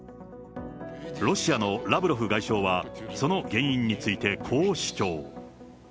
ロシアのラブロフ外相は、その原因について、こう主張。